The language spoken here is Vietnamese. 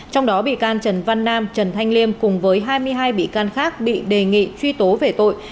trong đó bị can trần văn nam trần thanh liêm cùng với hai mươi hai bị can khác bị đề nghị truy tố về tội